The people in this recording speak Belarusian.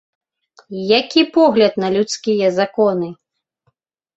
Які погляд на людскія законы!